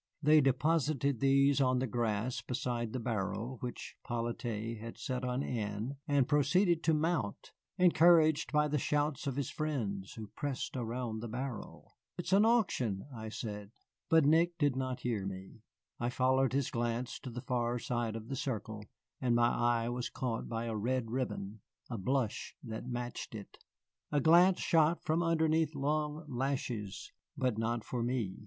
They deposited these on the grass beside the barrel, which 'Polyte had set on end and proceeded to mount, encouraged by the shouts of his friends, who pressed around the barrel. "It's an auction," I said. But Nick did not hear me. I followed his glance to the far side of the circle, and my eye was caught by a red ribbon, a blush that matched it. A glance shot from underneath long lashes, but not for me.